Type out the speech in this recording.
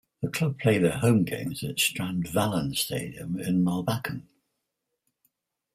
The club play their home games at Strandvallen Stadium in Mallbacken.